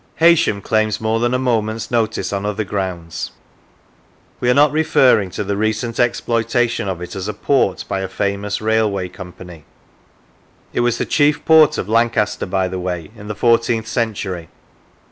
Heysham claims more than a moment's notice on other grounds; we are not referring to the recent ex ploitation of it as a port by a famous railway company; it was the chief port of Lancaster, by the way, in the fourteenth century.